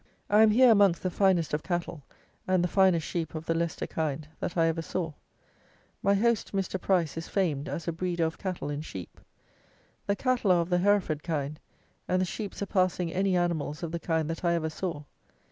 I am here amongst the finest of cattle, and the finest sheep of the Leicester kind, that I ever saw. My host, Mr. Price, is famed as a breeder of cattle and sheep. The cattle are of the Hereford kind, and the sheep surpassing any animals of the kind that I ever saw.